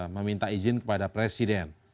meminta izin kepada presiden